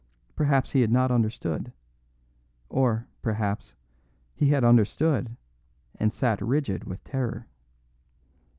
Perhaps he had not understood. Or, perhaps, he had understood and sat rigid with terror.